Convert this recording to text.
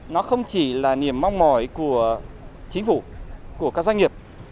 nó không chỉ là niềm mong mỏi của chính phủ của các doanh nghiệp